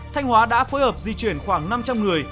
thanh hóa đã phối hợp di chuyển khoảng năm trăm linh người